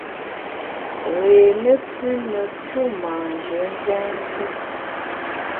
Réé ne pü ne tu manjé nzènkét !